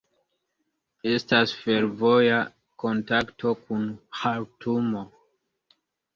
Estas fervoja kontakto kun Ĥartumo.